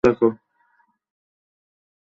তোমার কারো সাথে প্রেম হয়নি?